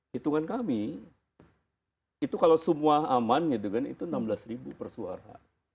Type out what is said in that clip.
hitungan kami itu kalau semua aman itu rp enam belas per suara